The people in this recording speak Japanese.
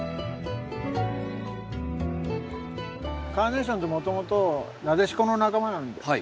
カーネーションってもともとナデシコの仲間なんです。